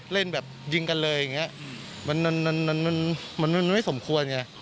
เล่นแบบยิงกันเลยอย่างเงี้ยมันมันมันมันมันมันไม่สมควรอย่างเงี้ย